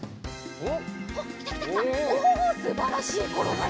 おおすばらしいころがり！